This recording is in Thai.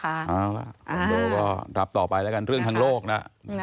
คอนโดก็รับต่อไปแล้วกันเรื่องทางโลกนะ